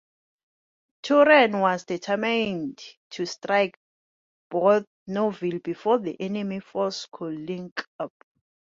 Turenne was determined to strike Bournonville before the enemy forces could link up.